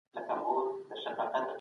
د ښار ترانسپورتي سيسټم تير کال تنظيم سو.